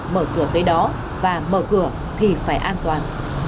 mở cửa tới đó và mở cửa thì phải an toàn